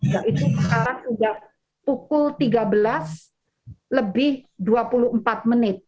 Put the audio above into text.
yaitu sekarang sudah pukul tiga belas lebih dua puluh empat menit